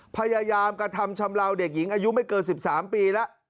พยายามกระทำชำลาวเด็กหญิงอายุไม่เกิน๑๓ปีแล้ว